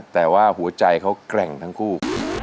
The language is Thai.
แต่ว่าหัวใจเขาแกร่งทั้งคู่